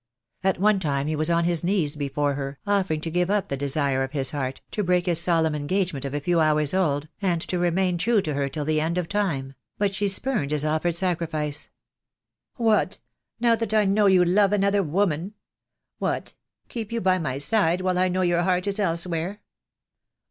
At one time he was on his knees before her, offering to give up the desire of his heart, to break 2 I 8 THE DAY WILL COME. his solemn engagement of a few hours old, and to remain true to her till the end of time; but she spurned his of fered sacrifice. "What, now that I know you love another woman? What, keep you by my side, while I know your heart is elsewhere?